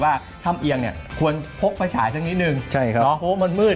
ว่าถ้ำเอียงเนี่ยควรพกภาษาสักนิดหนึ่งใช่ครับมันมืด